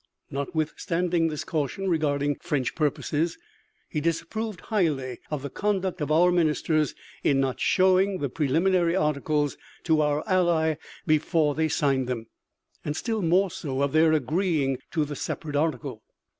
Notwithstanding this caution regarding French purposes, he "disapproved highly of the conduct of our ministers in not showing the preliminary articles to our ally before they signed them, and still more so of their agreeing to the separate article."